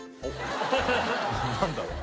何だろう？